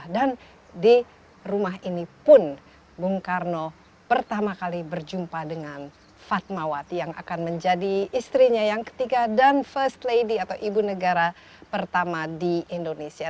dan di rumah ini pun bung karno pertama kali berjumpa dengan fatmawati yang akan menjadi istrinya yang ketiga dan first lady atau ibu negara pertama di indonesia